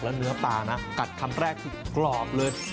แล้วเนื้อปลานะกัดคำแรกคือกรอบเลย